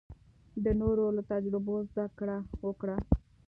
د نورو له تجربو زده کړه وکړه.